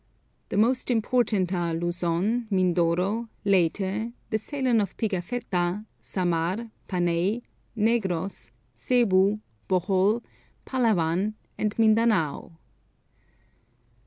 The most important are Luzon, Mindoro, Leyte, the Ceylon of Pigafetta, Samar, Panay, Negros, Zebu, Bohol, Palawan, and Mindanao.